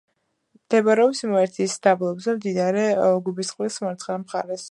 მდებარეობს იმერეთის დაბლობზე, მდინარე გუბისწყლის მარცხენა მხარეს.